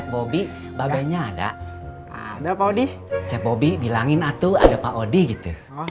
bobi babaynya ada ada paudi bobi bilangin atuh ada paudi gitu ya